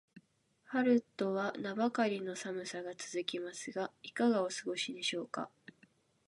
春とは名ばかりの寒さが続きますが、いかがお過ごしでしょうか。